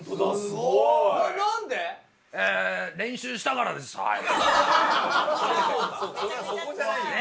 すごい。